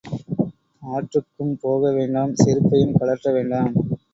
ஆற்றுக்கும் போகவேண்டாம் செருப்பையும் கழற்ற வேண்டாம்.